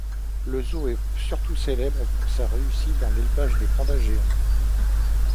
Le zoo est surtout célèbre pour sa réussite dans l'élevage des pandas géants.